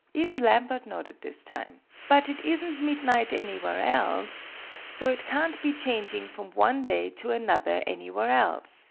Even Lambert nodded this time. "But it isn't midnight, anywhere else; so it can't be changing from one day to another anywhere else.